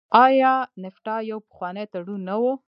آیا نفټا یو پخوانی تړون نه و؟